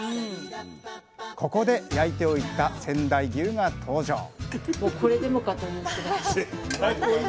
ここで焼いておいた仙台牛が登場